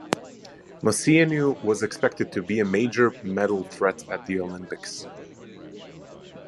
Moceanu was expected to be a major medal threat at the Olympics.